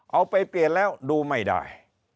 เอาไปเปลี่ยนแล้วดูไม่ได้